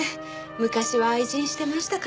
昔は愛人してましたから。